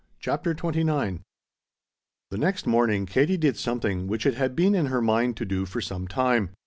CHAPTER XXIX The next morning Katie did something which it had been in her mind to do for some time.